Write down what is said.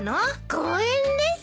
公園です。